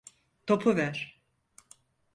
Topu ver.